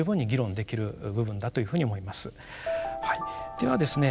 ではですね